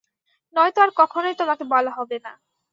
নয়তো আর কখনোই তোমাকে বলা হবে না।